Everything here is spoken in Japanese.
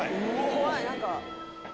怖い何か。